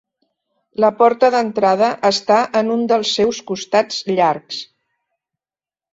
La porta d'entrada està en un dels seus costats llargs.